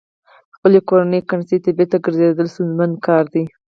خپلې کورنۍ کرنسۍ ته بېرته ګرځېدل ستونزمن کار دی.